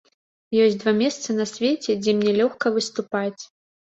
Ёсць два месцы на свеце, дзе мне лёгка выступаць.